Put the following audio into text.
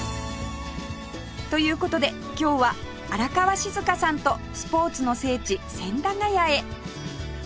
という事で今日は荒川静香さんとスポーツの聖地千駄ケ谷へ